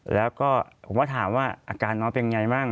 แล้วก็ผมก็ถามว่าอาการน้องเป็นไงบ้าง